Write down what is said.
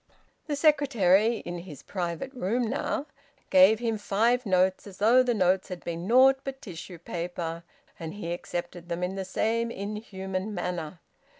The secretary, in his private room now, gave him five notes as though the notes had been naught but tissue paper, and he accepted them in the same inhuman manner.